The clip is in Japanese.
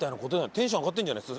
テンション上がってるんじゃない？